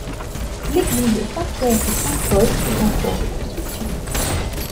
L'église Saint-Pierre et Saint-Paul est en cours de construction.